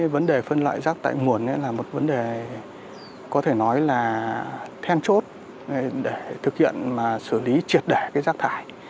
vấn đề này là một vấn đề có thể nói là then chốt để thực hiện mà xử lý triệt đẻ rác thải